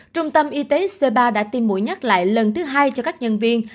trung tâm y tế c ba đã tiêm mũi nhắc lại lần thứ hai cho các nhân viên